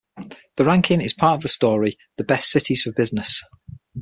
The ranking is part of the story The best cities for business'.